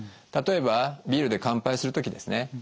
例えばビールで乾杯する時ですね